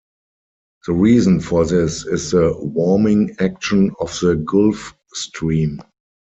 The reason for this is the warming action of the Gulf Stream.